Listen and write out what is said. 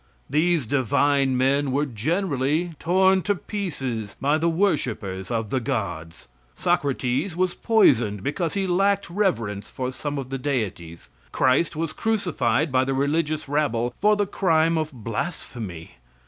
These divine men were generally torn in pieces by the worshipers of the gods. Socrates was poisoned because he lacked reverence for some of the deities. Christ was crucified by the religious rabble for the crime of blasphemy.